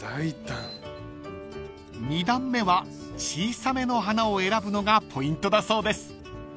［２段目は小さめの花を選ぶのがポイントだそうです］